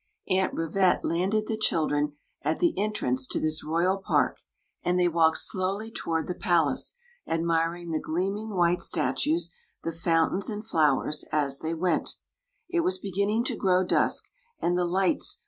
Aunt Rivette landed the children at the entrance to this royal park, and they walked slowly towar 1 palace, admariiig Ae §^eamm§ white sts^^ ^ fountains and flowers, 2» diey went It was beginning to grow diisk, and the lights.